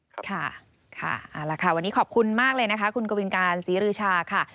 ค่ะวันนี้ขอบคุณมากเลยนะคะคุณกวินการศรีรืชาค่ะ